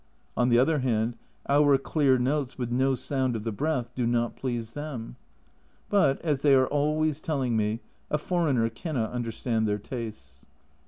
On the other hand, our clear notes, with no sound of the breath, do not please them ! But, as they are always telling me, a foreigner cannot understand their tastes.